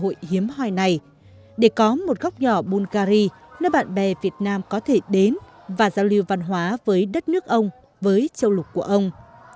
cơ hội hiếm hoi này để có một góc nhỏ bungary nơi bạn bè việt nam có thể đến và giao lưu văn hóa với đất nước ông với châu lục của ông